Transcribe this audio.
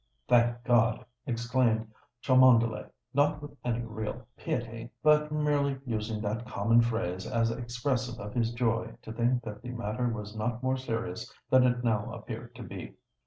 "Thank God!" exclaimed Cholmondeley,—not with any real piety, but merely using that common phrase as expressive of his joy to think that the matter was not more serious than it now appeared to be.